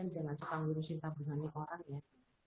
jangan cekang di musim tabungannya orang ya